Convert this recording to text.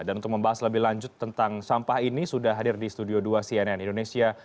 dan untuk membahas lebih lanjut tentang sampah ini sudah hadir di studio dua cnn indonesia